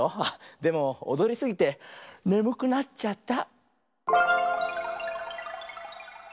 でもおどりすぎてねむくなっちゃった。